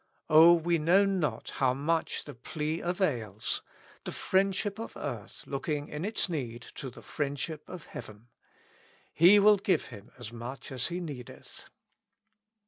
Oh, we know not how much the plea avails ; the friendship of earth looking in its need to the friendship of hea ven :" He will give him as much as he needeth."